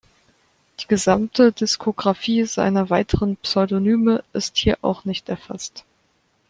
Die gesamte Diskographie seiner weiteren Pseudonyme ist hier auch nicht erfasst.